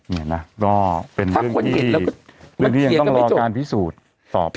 เนี่ยนะก็เป็นเรื่องที่เรื่องที่ยังต้องรอการพิสูจน์ต่อไป